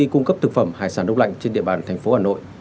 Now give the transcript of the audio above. công ty cung cấp thực phẩm hải sản đông lạnh trên địa bàn thành phố hà nội